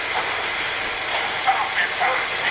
په لاس خط لیکل د پوهي د ژورتیا سبب ګرځي.